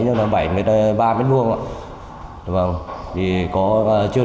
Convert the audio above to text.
nhưng là bảy mươi ba mét vuông ạ